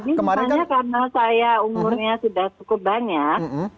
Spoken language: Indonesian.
misalnya karena saya umurnya sudah cukup banyak